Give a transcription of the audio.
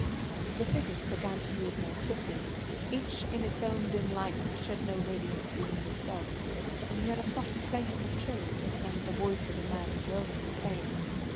The figures began to move more swiftly, each in its own dim light that shed no radiance beyond itself, and he heard a soft clanking of chains and the voice of a man groaning in pain.